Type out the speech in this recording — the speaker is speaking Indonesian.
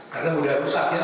karena mudah rusak ya